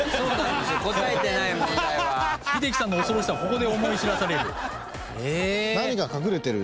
ここで思い知らされる。